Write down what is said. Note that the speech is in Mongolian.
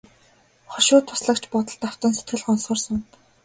Хошуу туслагч бодолд автан сэтгэл гонсгор сууна.